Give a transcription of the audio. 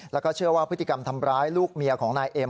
แล้วก็เชื่อว่าพฤติกรรมทำร้ายลูกเมียของนายเอ็ม